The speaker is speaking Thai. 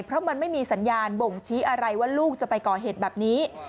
เพราะมันไม่มีสัญญาณบ่งชี้อะไรว่าลูกจะไปก่อเหตุแบบนี้